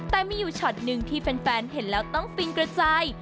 แต่มีอยู่ช็อตหนึ่งที่แฟนเห็นแล้วต้องฟินกระจาย